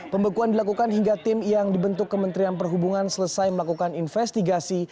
pembekuan dilakukan hingga tim yang dibentuk kementerian perhubungan selesai melakukan investigasi